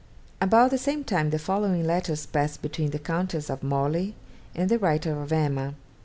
About the same time the following letters passed between the Countess of Morley and the writer of 'Emma.'